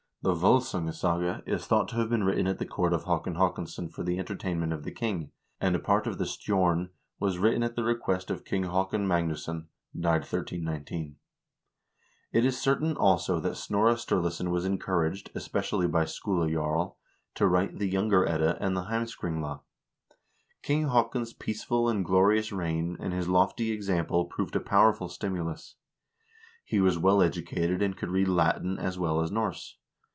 The "V0lsungasaga" is thought to have been written at the court of Haakon Haakonsson for the entertainment of the king, and a part of the "Stjorn" was written at the request of King Haakon Magnusson (f 1319). It is certain, also, that Snorre Sturlason was encouraged, especially by Skule Jarl, to write the "Younger Edda" and the "Heimskringla." King Haakon's peaceful and glorious reign and his lofty example proved a powerful stimulus. He was well educated, and could read Latin as well as Norse.